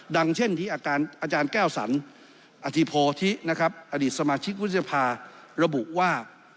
ดังเช่นที่อาจารย์แก้วสันอธิโพธินะครับอดีตสมาชิกวุฒิภาระบุว่า